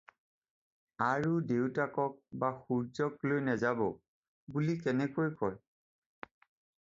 আৰু দেউতাকক বা 'সূৰ্য্যক লৈ নেযাব' বুলি কেনেকৈ কয়।